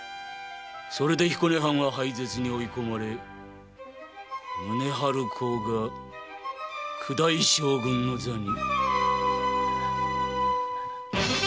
それで彦根藩は廃絶に追い込まれ宗春公が九代将軍の座に。